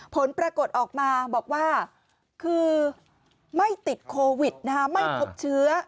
ผลปรากฏออกมาบอกว่าคือไม่ติดโควิดไม่พบเชื้อ